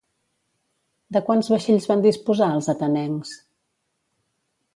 De quants vaixells van disposar els atenencs?